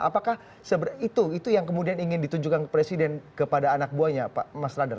apakah itu yang kemudian ingin ditunjukkan ke presiden kepada anak buahnya pak mas radar